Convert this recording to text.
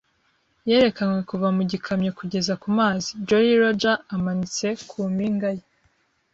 yerekanwe kuva mu gikamyo kugera ku mazi, Jolly Roger amanitse ku mpinga ye.